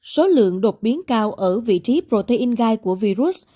số lượng đột biến cao ở vị trí protein gai của virus